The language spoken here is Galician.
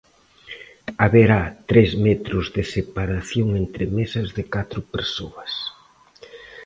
Haberá tres metros de separación entre mesas de catro persoas.